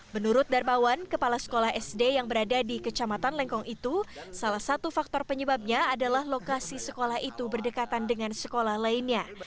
menurut darmawan kepala sekolah sd yang berada di kecamatan lengkong itu salah satu faktor penyebabnya adalah lokasi sekolah itu berdekatan dengan sekolah lainnya